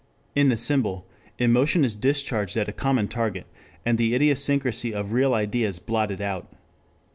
In the symbol emotion is discharged at a common target, and the idiosyncrasy of real ideas blotted out.